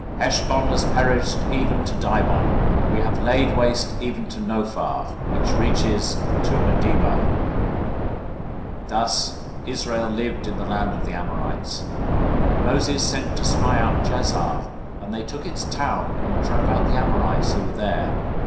Heshbon has perished even to Dibon. We have laid waste even to Nophah, Which reaches to Medeba." 021:031 Thus Israel lived in the land of the Amorites. 021:032 Moses sent to spy out Jazer; and they took the towns of it, and drove out the Amorites who were there.